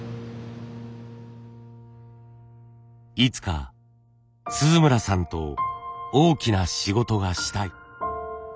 いつか鈴村さんと大きな仕事がしたい。